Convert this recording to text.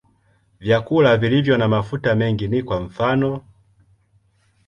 Vyakula vilivyo na mafuta mengi ni kwa mfano.